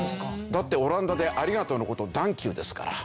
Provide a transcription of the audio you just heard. だってオランダで「ありがとう」の事を「ダンクユー」ですから。